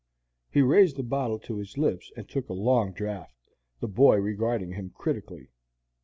He raised the bottle to his lips and took a long draught, the boy regarding him critically.